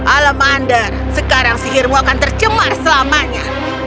alam ander sekarang sihirmu akan tercemar selamanya